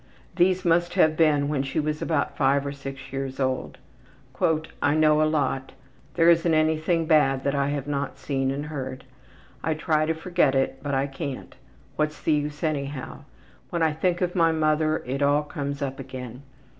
These must have been when she was about 5 or 6 years old. ``I know a lot. There isn't anything bad that I have not seen and heard. I try to forget it, but I can't. What's the use anyhow? When I think of my mother it all comes up again.